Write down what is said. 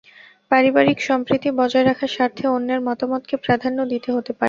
পারিবারিক সম্প্রীতি বজায় রাখার স্বার্থে অন্যের মতামতকে প্রাধান্য দিতে হতে পারে।